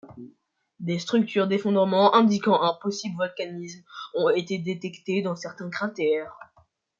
Des structures d'effondrement indiquant un possible volcanisme ont été détectés dans certains cratères.